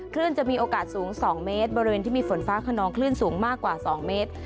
จะมีโอกาสสูง๒เมตรบริเวณที่มีฝนฟ้าขนองคลื่นสูงมากกว่า๒เมตร